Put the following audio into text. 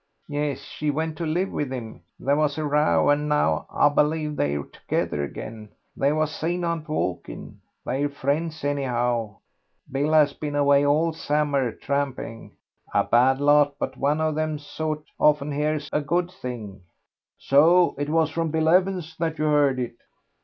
"Yes, she went to live with him. There was a row, and now, I believe, they're together again; they was seen out walking. They're friends, anyhow. Bill has been away all the summer, tramping. A bad lot, but one of them sort often hears of a good thing." "So it was from Bill Evans that you heard it."